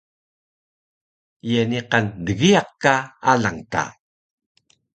Ye niqan dgiyaq ka alang ta?